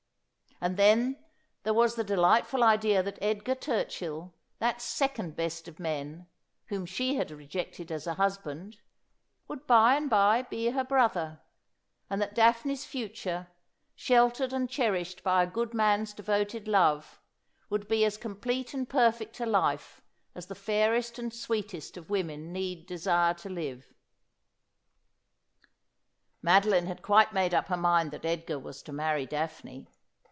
And then there was the delightful idea that Edgar Turchill, that second best of men, whom she had rejected as a husband, would by and by be her brother ; and that Daphne's future, sheltered and cherished by a good man's devoted love, would be as complete and perfect a life as the fairest and sweetest of women need desire to live. Madoline had quite made up her mind that Edgar was to marry Daphne.